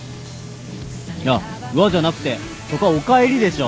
いや「うわ」じゃなくてそこは「おかえり」でしょ。